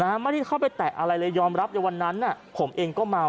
ไม่ได้เข้าไปแตะอะไรเลยยอมรับในวันนั้นน่ะผมเองก็เมา